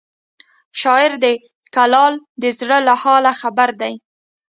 شاعر د کلال د زړه له حاله خبر دی